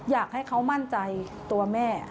อยากให้เขามั่นใจตัวแม่